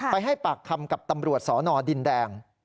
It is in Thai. ให้ปากคำกับตำรวจสนดินแดง